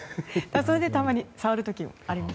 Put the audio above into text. それでたまに触る時があります。